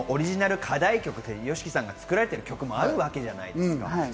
オリジナル課題曲、ＹＯＳＨＩＫＩさんが作られている曲もわけじゃないですか。